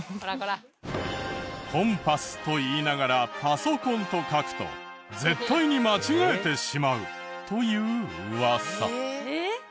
「コンパス」と言いながら「パソコン」と書くと絶対に間違えてしまうというウワサ。